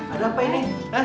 ada apa ini